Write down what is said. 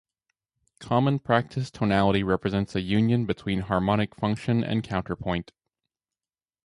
Common-practice tonality represents a union between harmonic function and counterpoint.